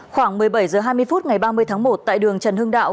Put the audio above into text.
khoảng một mươi bảy h hai mươi phút ngày ba mươi tháng một tại đường trần hưng đạo